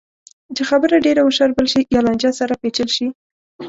چې خبره ډېره وشاربل شي یا لانجه سره پېچل شي.